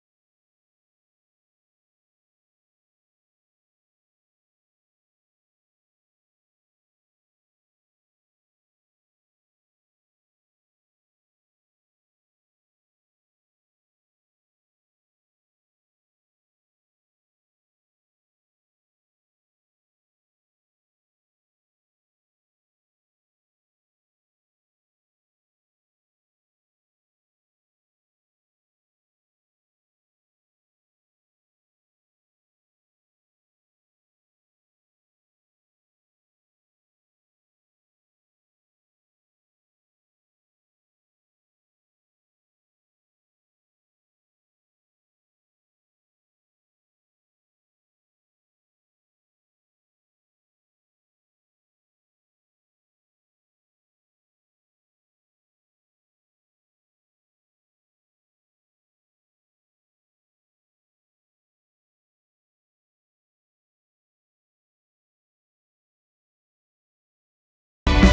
kau mau bekerja